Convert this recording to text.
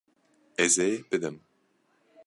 Ez ê bidim.